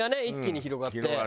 一気に広がって。